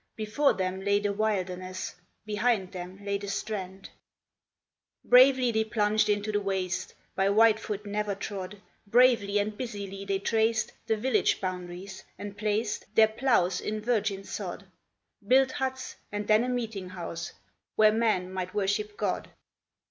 Before them lay the wilderness, Behind them lay the strand. 248 THE OLD VILLAGE. Bravely they plunged into the waste By white foot never trod ; Bravely and busily they traced The village boundaries, and placed Their ploughs in virgin sod ; Built huts, and then a meeting house Where man might worship God.